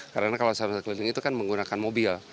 karena kalau samsat keliling itu kan menggunakan mobil